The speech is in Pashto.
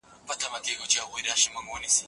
د بیان ازادي کله ناکله یو اړخیز تعبیرېږي.